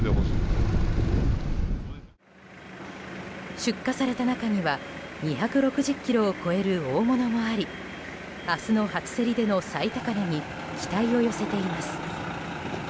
出荷された中には２６０ｋｇを超える大物もあり明日の初競りでの最高値に期待を寄せています。